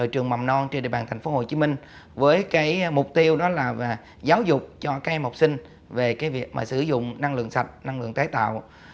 trường mầm non trên địa bàn tp hcm với mục tiêu đó là giáo dục cho các em học sinh về việc sử dụng năng lượng sạch năng lượng tái tạo